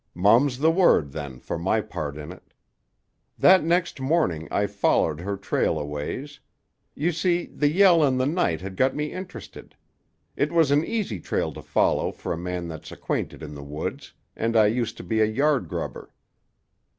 "Mum's the word, then, for my part in it. That next morning I followed her trail a ways. You see, the yell in the night had got me interested. It was an easy trail to follow for a man that's acquainted in the woods, and I used to be a yarb grubber.